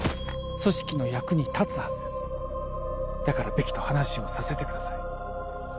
組織の役に立つはずですだからベキと話をさせてください